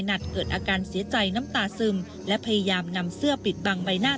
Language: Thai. เกิดอาการเสียใจน้ำตาซึมและพยายามนำเสื้อปิดบังใบหน้า